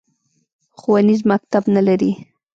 ښوونیز مکتب نه لري